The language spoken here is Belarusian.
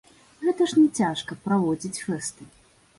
Гэта ж не цяжка, праводзіць фэсты.